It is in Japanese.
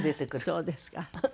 そうですか。